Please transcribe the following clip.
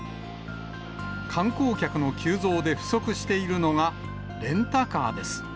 観光客の急増で不足しているのがレンタカーです。